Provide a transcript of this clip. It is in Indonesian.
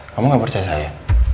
kamu gak percaya saya